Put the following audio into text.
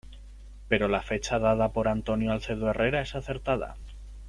Pero la fecha dada por Antonio Alcedo Herrera, es acertada.